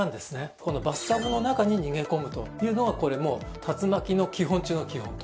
このバスタブの中に逃げ込むというのがこれもう竜巻の基本中の基本と。